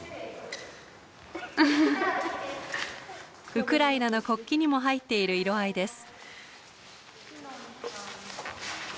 ウクライナの国旗にも入っている色合いです。